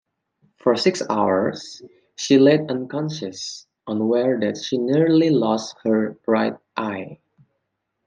For six hours, she lay unconscious, unaware that she nearly lost her right eye.